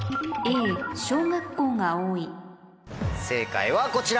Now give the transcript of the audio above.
正解はこちら。